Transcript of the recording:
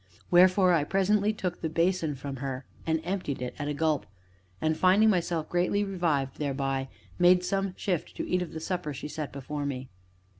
Wherefore I presently took the basin from her and emptied it at a gulp, and, finding myself greatly revived thereby, made some shift to eat of the supper she set before me.